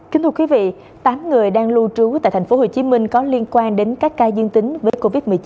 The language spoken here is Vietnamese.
kính thưa quý vị tám người đang lưu trú tại tp hcm có liên quan đến các ca dương tính với covid một mươi chín